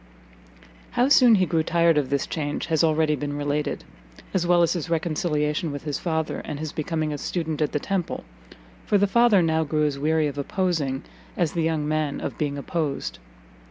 How soon he grew tired of this change has already been related, [Footnote: Book 1, Chap. II.] as well as his reconciliation with his father, and his becoming a student at the Temple: for the father now grew as weary of opposing, as the young man of being opposed.